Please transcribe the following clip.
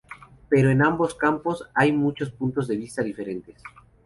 Pero en ambos campos, hay muchos puntos de vista diferentes.